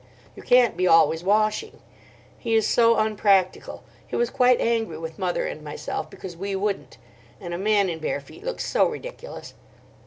You can't be always washing. He is so unpractical. He was quite angry with mother and myself because we wouldn't. And a man in bare feet looks so ridiculous.